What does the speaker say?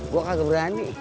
gue kagak berani